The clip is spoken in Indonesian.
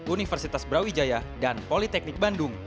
universitas brawijaya dan politeknik bandung